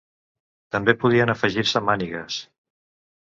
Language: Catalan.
També podien afegir-se mànigues.